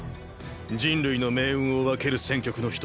人類の命運を分ける戦局の一つ